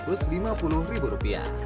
tim liputang terima kasih